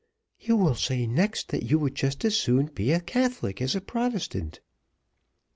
"You will say next, that you would just as soon be a Catholic as a Protestant."